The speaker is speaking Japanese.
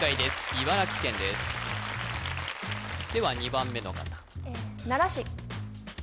茨城県ですでは２番目の方